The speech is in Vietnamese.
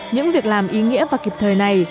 những việc làm ý nghĩa và kịp thời này